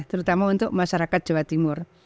terutama untuk masyarakat jawa timur